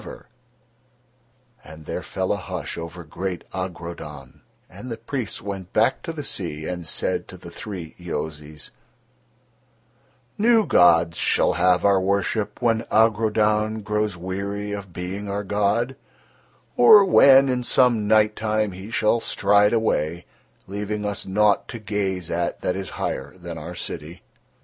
And the smoke that ascended from his feet stood still and there fell a hush over great Agrodaun; and the priests went back to the sea and said to the three Yozis: "New gods shall have our worship when Agrodaun grows weary of being our god, or when in some night time he shall stride away, leaving us nought to gaze at that is higher than our city."